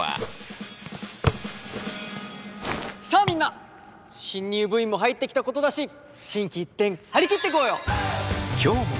さあみんな新入部員も入ってきたことだし心機一転張り切っていこうよ！